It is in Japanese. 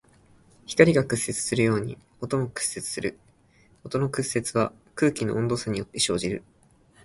光が屈折するように音も屈折する。音の屈折は空気の温度差によって生じる。